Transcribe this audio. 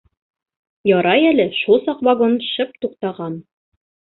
Ярай әле шул саҡ вагон «шып» туҡтаған.